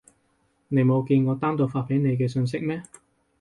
你冇見我單獨發畀你嘅訊息咩？